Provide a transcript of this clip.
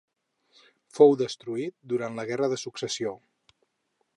Fou destruït durant la Guerra de Successió.